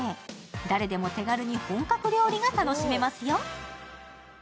誰でも手軽に本格料理が楽しめますよ。